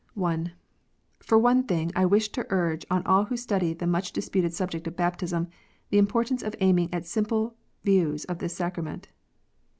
(1) For one thing, I wish to urge on all who study the much disputed subject of baptism, the importance of aiming at simple views of this sacrament.